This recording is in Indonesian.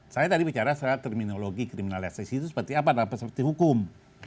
saya tadi bicara soal terminologi kriminalisasi itu seperti apa dalam seperti hukum